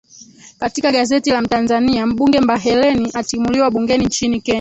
katika gazeti la mtanzania mbunge mbaheleni atimuliwa bungeni nchini kenya